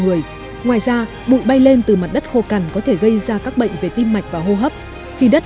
người ngoài ra bụng bay lên từ mặt đất khô cằn có thể gây ra các bệnh về tim mạch và hô hấp khi đất